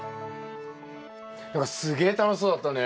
何かすげえ楽しそうだったね。